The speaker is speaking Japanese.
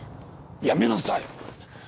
やめなさい。